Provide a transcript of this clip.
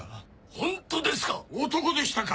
ホントですか⁉男でしたか？